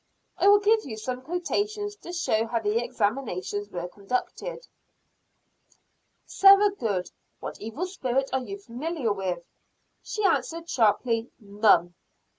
I will give some quotations to show how the examinations were conducted: "Sarah Good, what evil spirit are you familiar with?" She answered sharply, "None!"